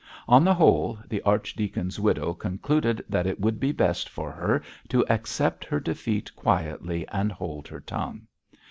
On the whole, the archdeacon's widow concluded that it would be best for her to accept her defeat quietly and hold her tongue.